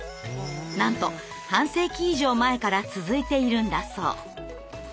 なんと半世紀以上前から続いているんだそう。